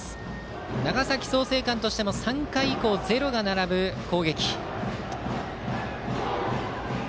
長崎・創成館としても３回以降ゼロが並ぶ攻撃。